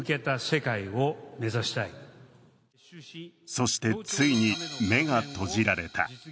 そして、ついに目が閉じられた。